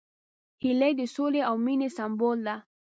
هیلۍ د سولې او مینې سمبول ده